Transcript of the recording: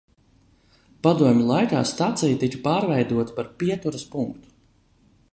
Padomju laikā stacija tika pārveidota par pieturas punktu.